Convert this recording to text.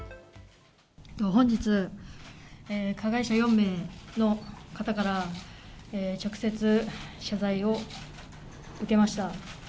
本日、加害者４名の方から直接謝罪を受けました。